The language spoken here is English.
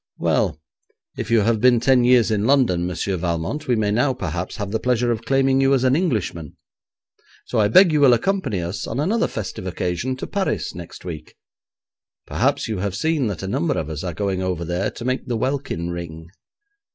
'Well, if you have been ten years in London, Monsieur Valmont, we may now perhaps have the pleasure of claiming you as an Englishman; so I beg you will accompany us on another festive occasion to Paris next week. Perhaps you have seen that a number of us are going over there to make the welkin ring.'